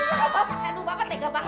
aku tidak tahu bapak mengontrolca